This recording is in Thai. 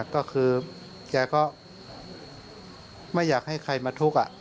ก็คือแกก็ไม่อยากให้ใครมาทุกข์